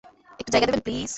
একটু জায়গা দেবেন, প্লিজ?